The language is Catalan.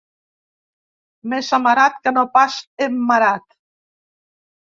Més amarat que no pas emmarat.